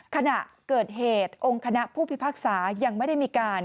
ขณะเกิดเหตุองค์คณะผู้พิพากษายังไม่ได้มีการ